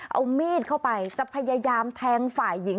เอามีดเข้าไปจะพยายามแทงฝ่ายหญิง